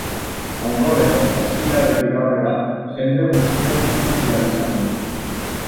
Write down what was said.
Ondoren, ostiraletik aurrera, jende guztiak ikusi ahal izango du.